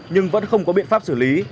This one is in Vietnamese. nhưng vẫn không có biện pháp xử lý